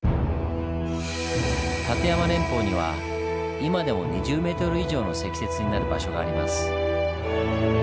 立山連峰には今でも２０ｍ以上の積雪になる場所があります。